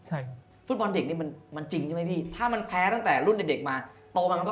ให้ความรู้เจ็บมันจริงใช่ไหมอีกถ้ามันแพ้ตั้งแต่รุ่นในเด็กมามากครับ